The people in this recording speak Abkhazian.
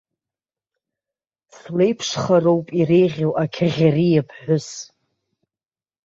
Слеиԥшхароуп иреиӷьу ақьаӷьариа ԥҳәыс.